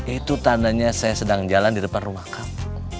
itu tandanya saya sedang jalan di depan rumah kamu